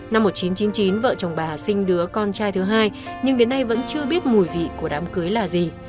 năm một nghìn chín trăm chín mươi chín vợ chồng bà hà sinh đứa con trai thứ hai nhưng đến nay vẫn chưa biết mùi vị của đám cưới là gì